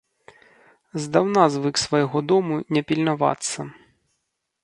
Здаўна звык свайго дому не пільнавацца.